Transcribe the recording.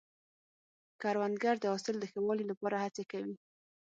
کروندګر د حاصل د ښه والي لپاره هڅې کوي